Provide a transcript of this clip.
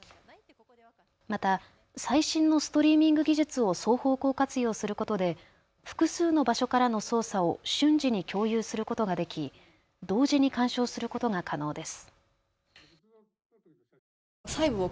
また最新のストリーミング技術を双方向活用することで複数の場所からの操作を瞬時に共有することができ同時に鑑賞することが可能です。